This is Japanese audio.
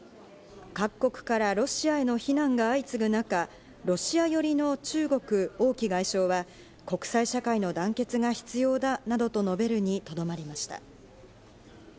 各国からロシアへの非難が相次ぐ中、ロシア寄りの中国、オウ・キ外相は国際社会の団結が必要だなどと述べるにとどまりました。